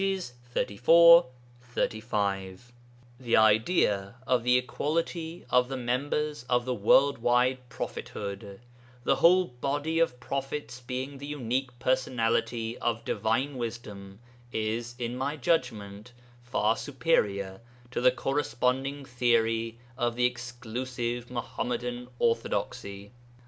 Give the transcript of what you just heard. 34, 35.] The idea of the equality of the members of the world wide prophethood, the whole body of prophets being the unique personality of Divine Wisdom, is, in my judgment, far superior to the corresponding theory of the exclusive Muḥammadan orthodoxy.